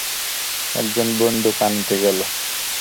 এক জন বন্দুক আনিতে গেল।